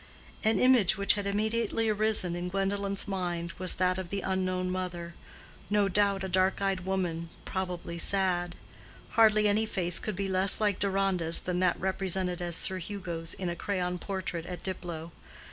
An image which had immediately arisen in Gwendolen's mind was that of the unknown mother—no doubt a dark eyed woman—probably sad. Hardly any face could be less like Deronda's than that represented as Sir Hugo's in a crayon portrait at Diplow.